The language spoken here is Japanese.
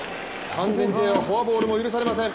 完全試合はフォアボールも許されません。